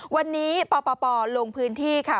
วันนี้ปปลงพื้นที่ค่ะ